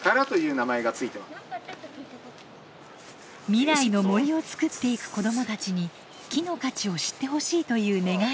未来の森を作っていく子どもたちに木の価値を知ってほしいという願いを込めて。